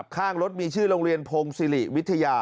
ข้างรถมีชื่อโรงเรียนพงศิริวิทยา